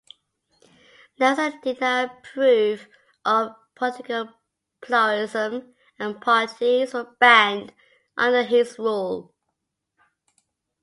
Nasser did not approve of political pluralism and parties were banned under his rule.